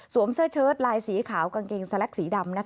เสื้อเชิดลายสีขาวกางเกงสแล็กสีดำ